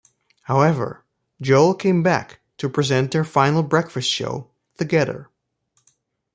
However, Joel came back to present their final breakfast show together.